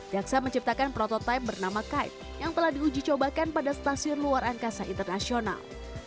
daksa menciptakan prototipe bernama kite yang telah diuji cobakan pada stasiun luar angkasa internasional